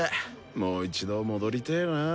もう一度戻りてえなぁ。